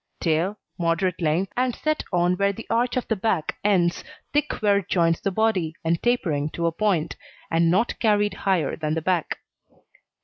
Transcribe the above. TAIL Moderate length, and set on where the arch of the back ends, thick where it joins the body, tapering to a point, and not carried higher than the back.